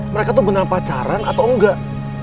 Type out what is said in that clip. mereka tuh beneran pacaran atau enggak